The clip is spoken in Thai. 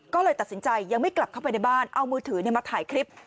ก็เลยตัดสินใจยังไม่กลับเข้าไปในบ้านเอามือถือมาถ่ายคลิป